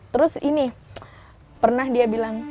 terus ini pernah dia bilang